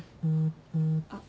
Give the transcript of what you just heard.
あっ。